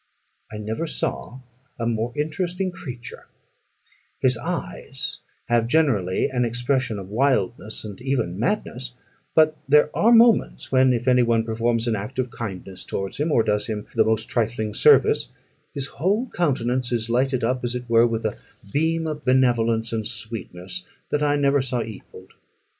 I never saw a more interesting creature: his eyes have generally an expression of wildness, and even madness; but there are moments when, if any one performs an act of kindness towards him, or does him any the most trifling service, his whole countenance is lighted up, as it were, with a beam of benevolence and sweetness that I never saw equalled.